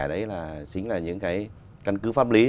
đấy chính là những cái căn cứ pháp lý